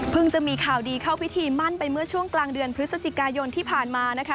จะมีข่าวดีเข้าพิธีมั่นไปเมื่อช่วงกลางเดือนพฤศจิกายนที่ผ่านมานะคะ